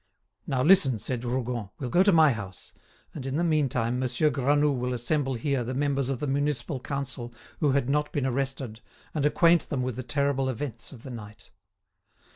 "Now listen," said Rougon; "we'll go to my house; and in the meantime Monsieur Granoux will assemble here the members of the municipal council who had not been arrested and acquaint them with the terrible events of the night."